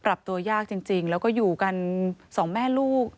ปรับตัวยากจริงแล้วก็อยู่กันสองแม่ลูก